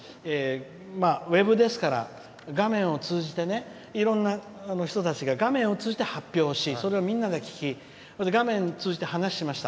ウェブですから画面を通じていろんな人たちが画面を通じて発表し、それをみんなで聴き画面を通じて話をしました。